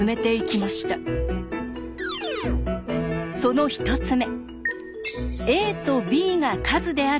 その１つ目。